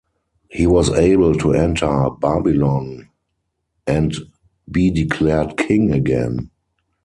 He was able to enter Babylon and be declared king again.